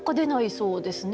そうですね。